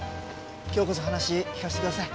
今日こそ話聞かせてください。